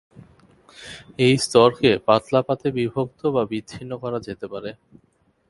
এই স্তরকে পাতলা পাতে বিভক্ত বা বিচ্ছিন্ন করা যেতে পারে।